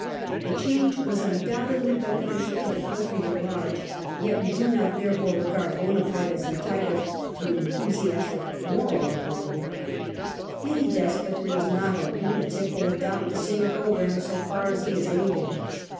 The change was undoubttHliy beneficial to the country at large, yet we do not therefore regard Bonaparte as entitled to an en thusiastic moral approval Any despot who is not a C ®SAR^S ADMINISTRATIVE REFORMS 335 lunatic will adopt the same programme, so far as he is able.